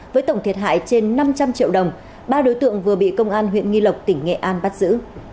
với tổng thiệt hại trên năm trăm linh triệu đồng ba đối tượng vừa bị công an huyện nghi lộc tỉnh nghệ an bắt giữ